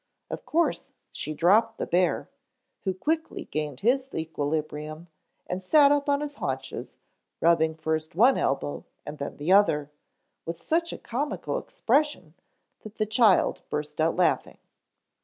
Of course she dropped the bear, who quickly gained his equilibrium and sat up on his haunches, rubbing first one elbow and then the other, with such a comical expression that the child burst out laughing.